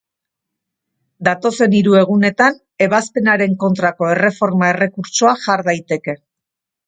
Datozen hiru egunetan ebazpenaren kontrako erreforma errekurtsoa jar daiteke.